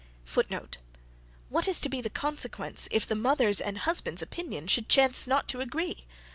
(*Footnote. What is to be the consequence, if the mother's and husband's opinion should chance not to agree?